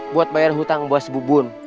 buat bayar hutang buat sebuah bun